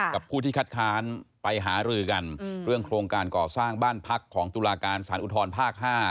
กับผู้ที่คัดค้านไปหารือกันเรื่องโครงการก่อสร้างบ้านพักของตุลาการสารอุทธรภาค๕